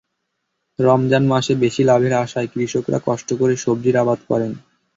রমজান মাসে বেশি লাভের আশায় কৃষকেরা কষ্ট করে সবজির আবাদ করেন।